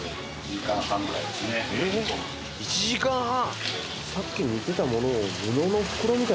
１時間半！？